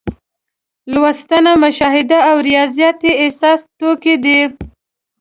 لوستنه، مشاهده او ریاضت یې اساسي توکي دي.